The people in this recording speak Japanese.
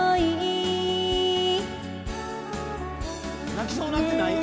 泣きそうなってない？